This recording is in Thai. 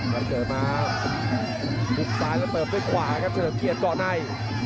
มันเจอมาปุ๊บซ้ายแล้วเติบด้วยขวาครับเศรษฐ์เกียรติก่อนใน